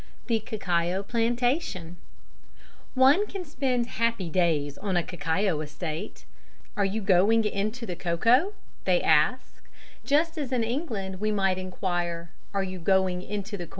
The Cacao Plantation. One can spend happy days on a cacao estate. "Are you going into the cocoa?" they ask, just as in England we might enquire, "Are you going into the corn?"